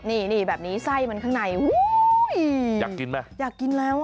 นี่นี่แบบนี้ไส้มันข้างในอุ้ยอยากกินไหมอยากกินแล้วอ่ะ